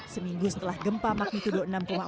seminggu setelah gempa magnitudo enam empat